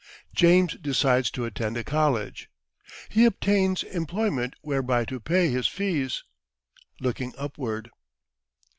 James decides to attend a College He obtains Employment whereby to pay his Fees Looking Upward.